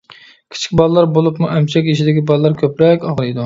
كىچىك بالىلار بولۇپمۇ ئەمچەك يېشىدىكى بالىلار كۆپرەك ئاغرىيدۇ.